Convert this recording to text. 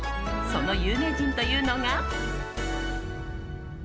その有名人というのが。